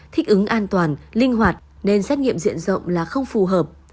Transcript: thích ứng an toàn linh hoạt nên xét nghiệm diện rộng là không phù hợp